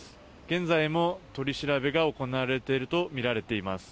現在も取り調べが行われているとみられています。